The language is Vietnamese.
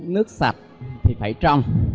nước sạch thì phải trong